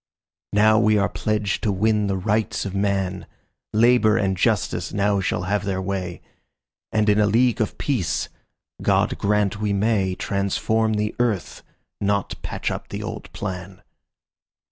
Now are we pledged to win the Rights of man; Labour and Justice now shall have their way, And in a League of Peace—God grant we may—Transform the earth, not patch up the old plan.